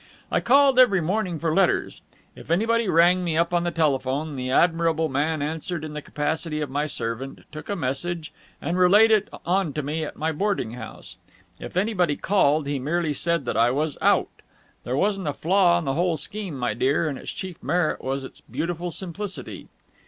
I called every morning for letters. If anybody rang me up on the telephone, the admirable man answered in the capacity of my servant, took a message, and relayed it on to me at my boarding house. If anybody called, he merely said that I was out. There wasn't a flaw in the whole scheme, my dear, and its chief merit was its beautiful simplicity."